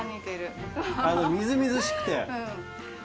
みずみずしくて。